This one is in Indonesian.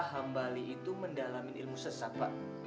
hambali itu mendalamin ilmu sesak pak